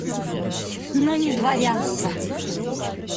Но не дворянство.